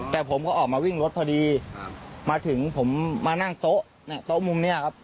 แต่ผมก็ออกมาวิ่งรถพอดีมาถึงผมมานั่งโต๊ะมุมนี้ครับ